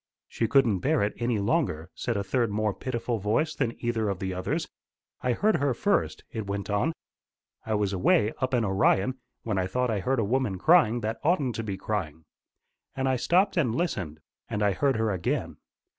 "'She couldn't bear it any longer,' said a third more pitiful voice than either of the others. 'I heard her first,' it went on. 'I was away up in Orion, when I thought I heard a woman crying that oughtn't to be crying. And I stopped and listened. And I heard her again.